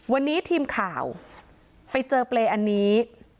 วันนี้ทีมข่าวไปเจอเปรย์อันนี้